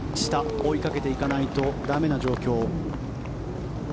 追いかけていかないと駄目な状況。